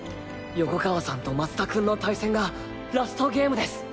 横川さんと松田君の対戦がラストゲームです。